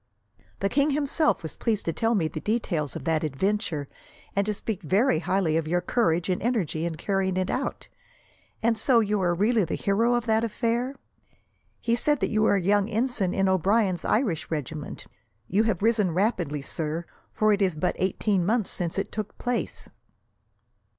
"The king himself was pleased to tell me the details of that adventure, and to speak very highly of your courage and energy in carrying it out. And so, you are really the hero of that affair? He said that you were a young ensign in O'Brien's Irish regiment. You have risen rapidly, sir, for it is but eighteen months since it took place."